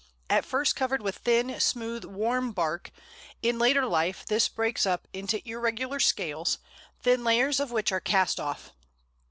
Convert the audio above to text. At first covered with thin, smooth, warm brown bark, in later life this breaks up into irregular scales, thin layers of which are cast off.